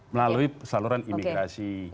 melalui saluran imigrasi